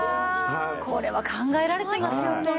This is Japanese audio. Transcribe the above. これは考えられてますよね。